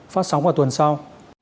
phát sóng vào tuần sau